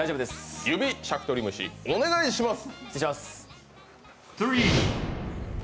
指しゃくとり虫お願いします。